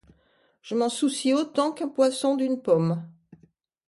Je m’en soucie autant qu’un poisson d’une pomme.